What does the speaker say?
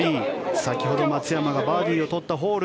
先ほど松山がバーディーを取ったホール。